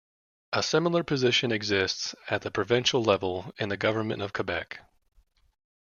A similar position exists at the provincial level in the government of Quebec.